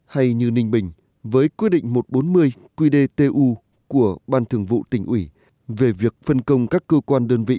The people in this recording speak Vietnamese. hay như ninh bình với quyết định một trăm bốn mươi qdtu của ban thường vụ tỉnh ủy về việc phân công các cơ quan đơn vị